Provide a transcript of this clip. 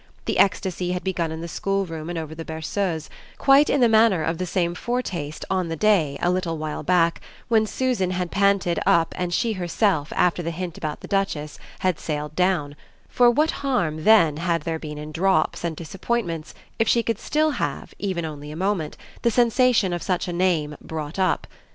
The ecstasy had begun in the schoolroom and over the Berceuse, quite in the manner of the same foretaste on the day, a little while back, when Susan had panted up and she herself, after the hint about the duchess, had sailed down; for what harm then had there been in drops and disappointments if she could still have, even only a moment, the sensation of such a name "brought up"?